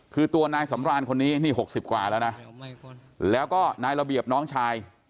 คือตัวนายสำรานคนนี้นี่๖๐กว่าแล้วนะแล้วก็นายระเบียบน้องชาย